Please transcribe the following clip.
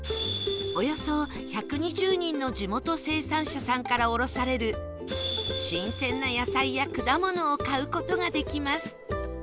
およそ１２０人の地元生産者さんから卸される新鮮な野菜や果物を買う事ができます